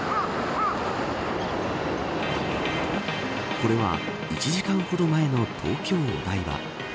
これは１時間ほど前の東京・お台場。